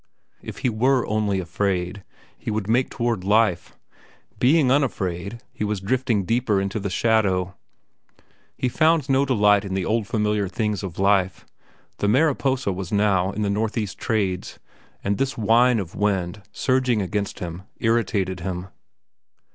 If he were only afraid, he would make toward life. Being unafraid, he was drifting deeper into the shadow. He found no delight in the old familiar things of life. The Mariposa was now in the northeast trades, and this wine of wind, surging against him, irritated him.